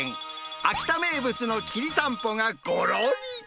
秋田名物のきりたんぽがごろり。